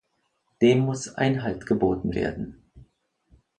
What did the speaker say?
Dem muss Einhalt geboten werden.